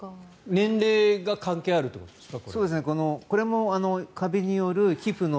年齢が関係あるということですか？